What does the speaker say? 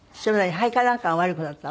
肺かなんかが悪くなったの？